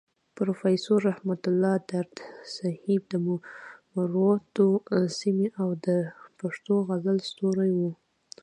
پروفيسور رحمت الله درد صيب د مروتو سيمې او د پښتو غزل ستوری وو.